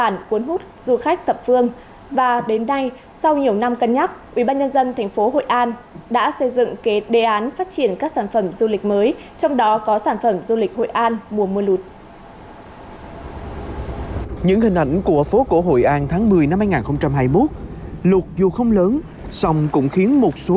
những hình ảnh của phố cổ hội an tháng một mươi năm hai nghìn hai mươi một lụt dù không lớn sông cũng khiến một số